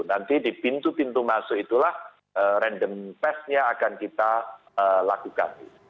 nanti di pintu pintu masuk itulah random testnya akan kita lakukan